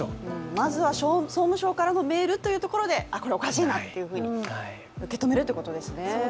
まずは総務省からのメールというところで、これ、おかしいなというふうに受け止めるということですね。